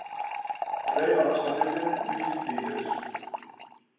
They are civilian youth leaders.